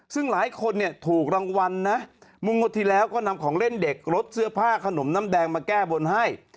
ซึ่งหลายคนเนี่ยถูกรางวัลนะเมื่องวดที่แล้วก็นำของเล่นเด็กรถเสื้อผ้าขนมน้ำแดงมาแก้บนให้